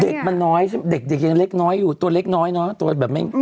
เด็กมันน้อยเด็กยังเล็กน้อยอยู่ตัวเล็กน้อยเนอะตัวแบบไม่